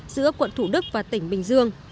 giữa quận thủ đức và tỉnh bình dương